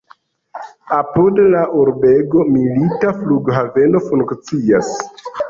Apud la urbego milita flughaveno funkcias.